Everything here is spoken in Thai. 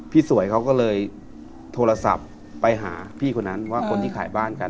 สวยเขาก็เลยโทรศัพท์ไปหาพี่คนนั้นว่าคนที่ขายบ้านกัน